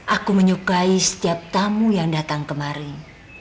aku menyukai setiap tamu yang datang kemarin